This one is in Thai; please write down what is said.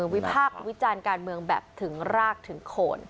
วิพากษ์วิจารณ์การเมืองแบบถึงรากถึงโคน